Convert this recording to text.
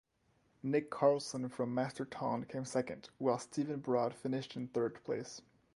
Nik Carlson from Masterton came second, while Steven Broad finished in third place.